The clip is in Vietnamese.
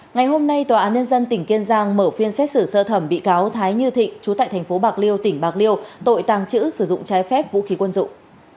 ngày hôm nay tòa án nhân dân tỉnh kiên giang mở phiên xét xử sơ thẩm bị cáo thái như thịnh chú tại thành phố bạc liêu tỉnh bạc liêu tội tàng trữ sử dụng trái phép vũ khí quân dụng